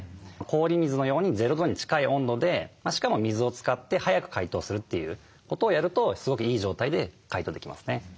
氷水のように０度に近い温度でしかも水を使って速く解凍するということをやるとすごくいい状態で解凍できますね。